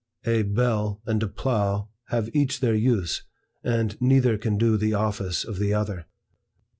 A bell and a plough have each their use, and neither can do the office of the other.